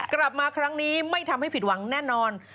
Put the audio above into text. กลับมาครั้งนี้ไม่ทำให้ผิดหวังแน่นอน